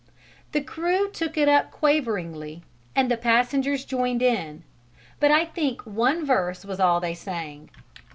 The crew took it up quaveringly and the passengers joined in, but I think one verse was all they sang.